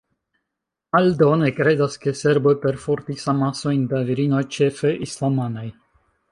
Aldo ne kredas, ke serboj perfortis amasojn da virinoj ĉefe islamanaj.